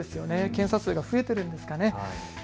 検査数が増えているんですかね。